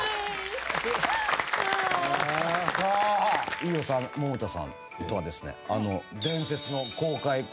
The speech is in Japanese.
飯尾さん百田さんとは。